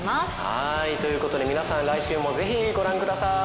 はいということで皆さん来週もぜひご覧ください。